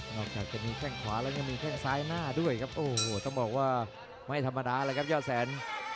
จากจะมีแข้งขวาแล้วยังมีแข้งซ้ายหน้าด้วยครับโอ้โหต้องบอกว่าไม่ธรรมดาเลยครับยอดแสน